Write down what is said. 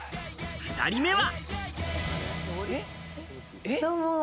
２人目は。